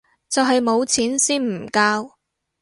就係冇錢先唔交